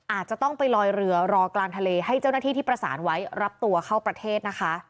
อาจจะต้องไปลอยเรือรอกลางทะเลให้เจ้าหน้าที่ที่ประสานไว้รับตัวเข้าประเทศนะคะ